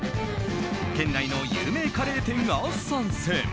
県内の有名カレー店が参戦。